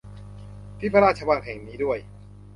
ที่พระราชวังแห่งนี้ด้วย